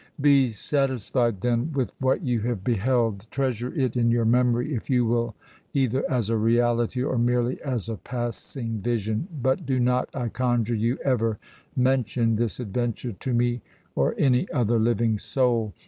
Be satisfied then with what you have beheld. Treasure it in your memory if you will either as a reality or merely as a passing vision, but do not, I conjure you, ever mention this adventure to me or any other living soul!